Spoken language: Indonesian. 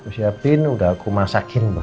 aku siapin udah aku masakin mbak